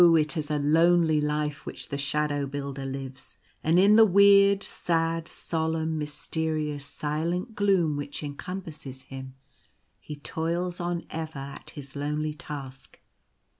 it is a lonely life which the Shadow Builder lives; and in the weird, sad, solemn, mysterious, silent gloom which encompasses him, he toils on ever at his lonely task.